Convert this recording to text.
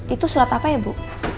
itu surat apa ya bu